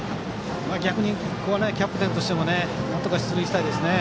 ここはキャプテンとしてなんとか出塁したいですね。